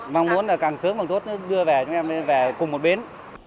mong muốn là càng sớm càng tốt đưa về chúng em đi về cùng một bến